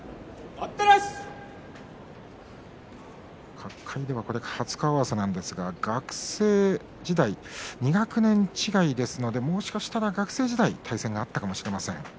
角界では初顔合わせなんですが学生時代、２学年違いですのでもしかしたら学生時代は対戦があったかもしれません。